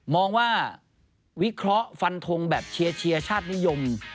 มองว่าวิเคราะห์ฟันทงแบบเชียร์ชาตินิยม